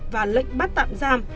và lệnh bắt tạm giam